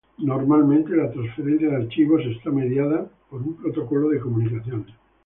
Normalmente, la transferencia de archivos está mediada por un protocolo de comunicaciones.